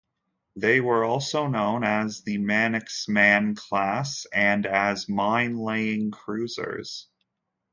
They were also known as the Manxman" class and as "mine-laying cruisers".